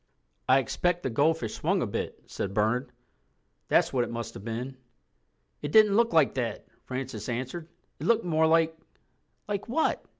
"I expect the goldfish swung a bit," said Bernard. "That's what it must have been." "It didn't look like that," Francis answered. "It looked more like—" "Like what?"